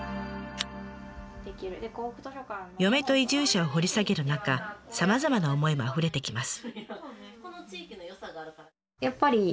嫁と移住者を掘り下げる中さまざまな思いもあふれてきます。